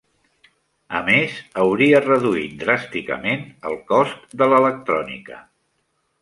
A més, hauria reduït dràsticament el cost de l'electrònica.